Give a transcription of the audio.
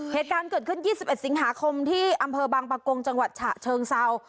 เหตุการณ์เกิดขึ้น๒๑สิงหาคมที่อำเภอบางปะกงจังหวัดฉะเชิงเซา